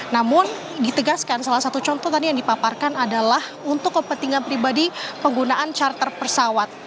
namun ditegaskan salah satu contoh tadi yang dipaparkan adalah untuk kepentingan pribadi penggunaan charter pesawat